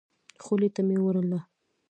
خولې ته مي وړله .